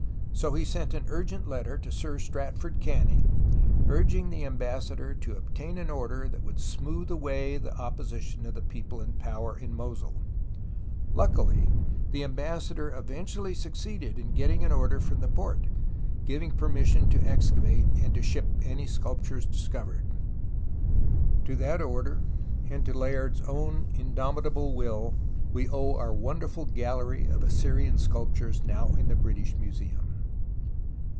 So he sent an urgent letter to Sir Stratford Canning, urging the Ambassador to obtain an order that would smooth away the opposition of the people in power in Mosul. Luckily the Ambassador eventually succeeded in getting an order from the Porte, giving permission to excavate and to ship any sculptures discovered. 132 THE ROMANCE OF EXCAVATION To that order, and to Layard's own indomitable will, we owe our wonderful gallery of Assyrian sculptures now in the British Museum.